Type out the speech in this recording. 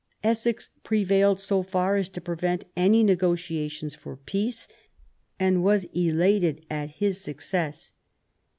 E4Sex prevailed so far as to prevent any negotia tions for peace, and was elated at his success.